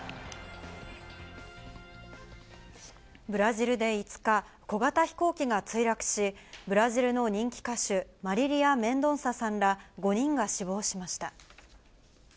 ブラジルで５日、小型飛行機が墜落し、ブラジルの人気歌手、マリリア・メンドンサさんら、５人が死亡しました。